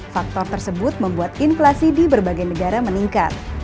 faktor tersebut membuat inflasi di berbagai negara meningkat